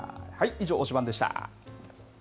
以上、推しバン！でした。